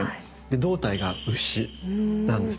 胴体が牛なんですね。